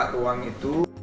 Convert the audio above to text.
kita membuka uang itu